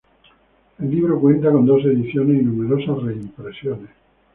El libro cuenta con dos ediciones y numerosas reimpresiones.